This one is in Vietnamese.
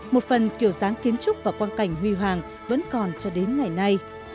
một phần kiểu dáng kiến trúc và quan cảnh huy hoàng vẫn còn cho đến ngày nay